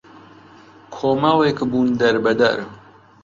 کۆمەڵێک بوون دەربەدەر